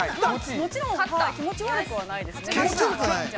◆もちろん、気持ち悪くはないですね。